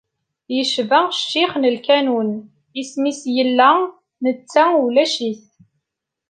Yecba ccix n lkanun, isem-is yella, netta ulac-it.